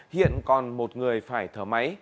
hiện còn một người phải thở máy